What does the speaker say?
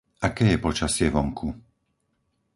Aké je počasie vonku?